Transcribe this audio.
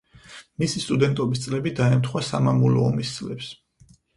მისი სტუდენტობის წლები დაემთხვა სამამულო ომის წლებს.